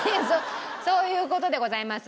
そういう事でございます。